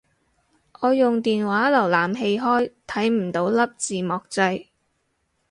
我用電話瀏覽器開睇唔到粒字幕掣